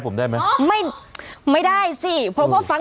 ไม่ต้องไปถาม